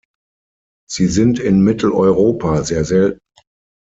Sie sind in Mitteleuropa sehr selten.